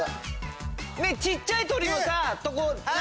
小っちゃい鳥のとこ。